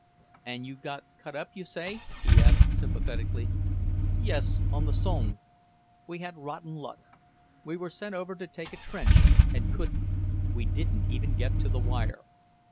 "And you got cut up, you say?" he asked sympathetically. "Yes, on the Somme. We had rotten luck. We were sent over to take a trench and couldn't. We didn't even get to the wire.